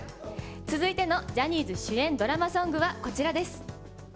続いてのジャニーズ主演ドラマソングはこちらです。